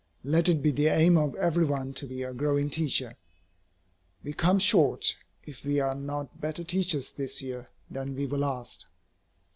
Let it be the aim of every one to be a growing teacher. We come short, if we are not better teachers this year than we were last.